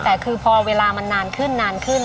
แต่คือพอเวลามันนานขึ้นนานขึ้น